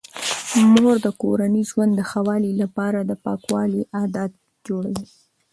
مور د کورني ژوند د ښه والي لپاره د پاکوالي عادات جوړوي.